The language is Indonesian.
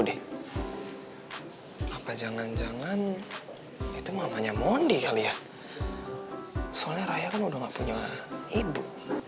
deh apa jangan jangan itu mamanya mondi kali ya soalnya raya kan udah nggak punya ibu